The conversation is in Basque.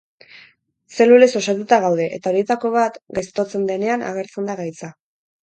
Zelulez osatuta gaude eta horietako bat gaiztotzen denean agertzen da gaitza.